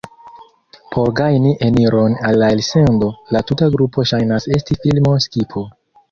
Por gajni eniron al la elsendo, la tuta grupo ŝajnas esti filmo-skipo.